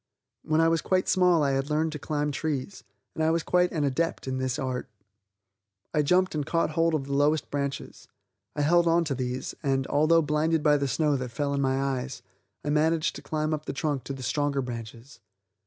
When I was quite small I had learned to climb trees, and I was quite an adept in this art. I jumped and caught hold of the lowest branches. I held onto these, and, although blinded by the snow that fell in my eyes, I managed to climb up the trunk to the stronger branches.